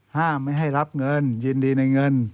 ห้ามไม่ให้รับเงินยินดีในเงิน